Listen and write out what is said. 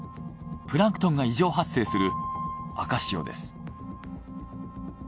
プランクトンが異常発生する赤潮です。